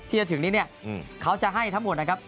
ที่จะถึงนี้เนี่ยเขาจะให้ทั้งหมดนะครับ